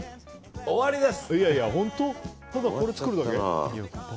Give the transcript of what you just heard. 終わりです！